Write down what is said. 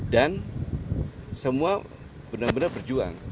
dan semua benar benar berjuang